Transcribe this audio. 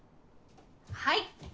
はい！